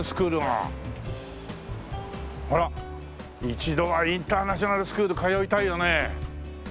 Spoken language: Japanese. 一度はインターナショナルスクール通いたいよね。